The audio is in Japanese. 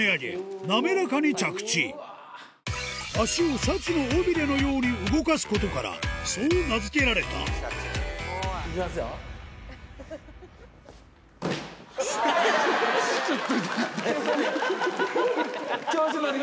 足をシャチの尾ビレのように動かすことからそう名付けられた痛っ！